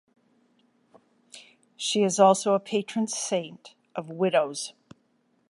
She is also a patron saint of widows.